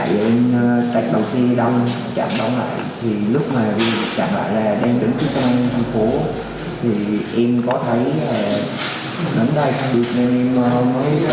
gồm trần hào nam cao quang bá kiệt nguyễn triệu vĩ nguyễn bá trường